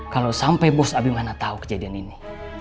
kalau sampe bos abimana tau kejadian ini